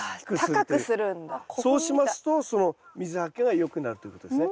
そうしますと水はけがよくなるということですね。